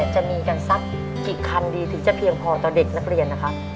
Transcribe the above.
จะมีกันสักกี่คันดีถึงจะเพียงพอต่อเด็กนักเรียนนะครับ